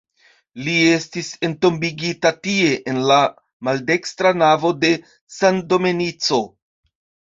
Li estis entombigita tie en la maldekstra navo de San Domenico.